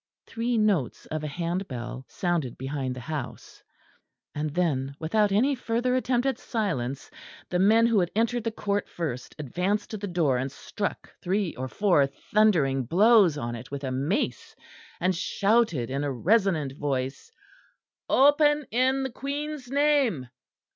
Three notes of a hand bell sounded behind the house; and then, without any further attempt at silence, the man who had entered the court first advanced to the door and struck three or four thundering blows on it with a mace, and shouted in a resonant voice: "Open in the Queen's Name."